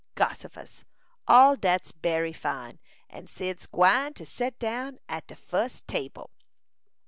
Gossifus! All dat's bery fine, and Cyd's gwine to set down at de fus table."